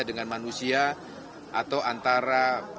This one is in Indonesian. dengan manusia atau antara